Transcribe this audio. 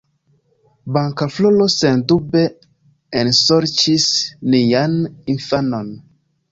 Bankafloro sendube ensorĉis nian infanon.